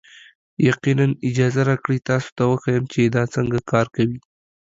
یقینا، اجازه راکړئ تاسو ته وښیم چې دا څنګه کار کوي.